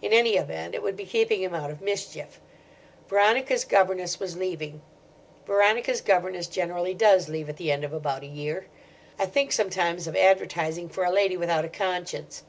In any event, it would be keeping him out of mischief. Veronica's governess was leaving. Veronica's governess generally does leave at the end of about a year. I think sometimes of advertising for a lady without a conscience.